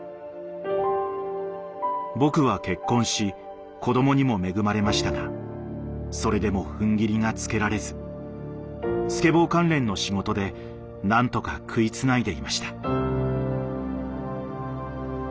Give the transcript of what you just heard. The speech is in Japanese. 僕は結婚し子どもにも恵まれましたがそれでもふんぎりがつけられずスケボー関連の仕事で何とか食いつないでいました。